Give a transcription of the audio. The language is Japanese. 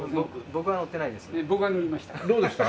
僕は乗りました。